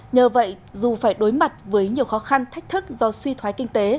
nhờ vậy dù phải đối mặt với nhiều khó khăn thách thức do suy thoái kinh tế